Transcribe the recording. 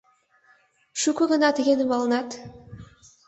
— Шуко гана тыге нумалынат?